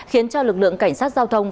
khiến cho lực lượng cảnh sát giao thông